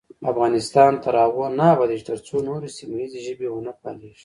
افغانستان تر هغو نه ابادیږي، ترڅو نورې سیمه ییزې ژبې ونه پالیږي.